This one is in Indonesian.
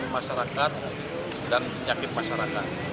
masyarakat dan nyakit masyarakat